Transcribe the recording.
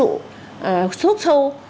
uống thuốc sâu